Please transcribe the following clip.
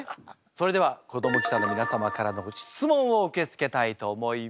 それでは子ども記者の皆様からの質問を受け付けたいと思います。